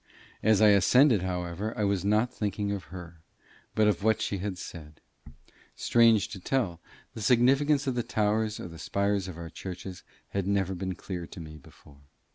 As I ascended, however, I was not thinking of her, but of what she had said. Strange to tell, the significance of the towers or spires of our churches had never been clear to me before.